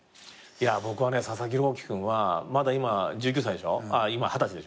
いや僕はね佐々木朗希君はまだ今二十歳でしょ。